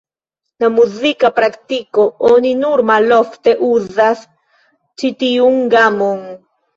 En muzika praktiko oni nur malofte uzas ĉi tiun gamon.